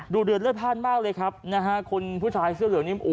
เดือดเลือดพลาดมากเลยครับนะฮะคนผู้ชายเสื้อเหลืองนี้